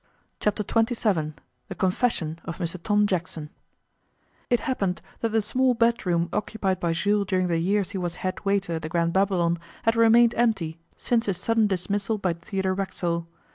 Chapter Twenty Seven THE CONFESSION OF MR TOM JACKSON IT happened that the small bedroom occupied by Jules during the years he was head waiter at the Grand Babylon had remained empty since his sudden dismissal by Theodore Racksole.